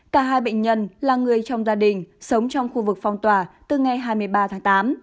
cả hai bệnh nhân là người trong gia đình sống trong khu vực phong tỏa từ ngày hai mươi ba tháng tám